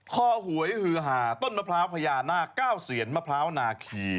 หวยฮือหาต้นมะพร้าวพญานาค๙เสียนมะพร้าวนาคี